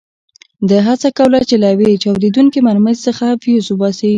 ده هڅه کوله چې له یوې چاودېدونکې مرمۍ څخه فیوز وباسي.